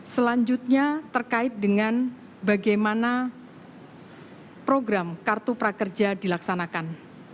selanjutnya terkait dengan bagaimana program kartu prakerja dilaksanakan